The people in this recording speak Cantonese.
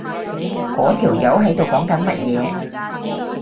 嗰條友喺度講緊乜嘢？